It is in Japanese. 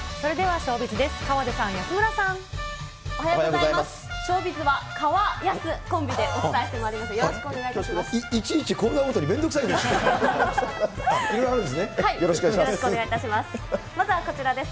ショービズはカワヤスコンビでお伝えしてまいります。